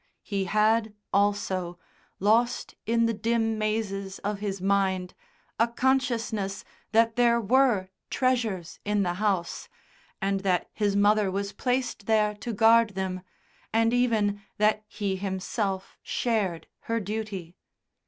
He had also, lost in the dim mazes of his mind, a consciousness that there were treasures in the house, and that his mother was placed there to guard them, and even that he himself shared her duty.